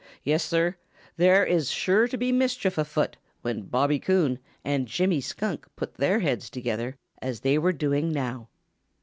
Yes, Sir, there is sure to be mischief afoot when Bobby Coon and Jimmy Skunk put their heads together as they were doing now.